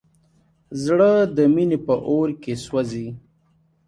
زړه د مینې په اور کې سوځي.